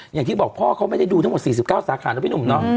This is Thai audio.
อย่างที่บอกพ่อเขาไม่ได้ดูทั้งหมด๔๙สาขานะพี่หนุ่มเนาะ